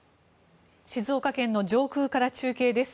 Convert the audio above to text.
静岡県の上空から中継です。